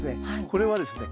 これはですね